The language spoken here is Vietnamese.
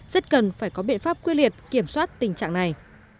rất cần phải có biện pháp quy liệt kiểm soát tình trạng này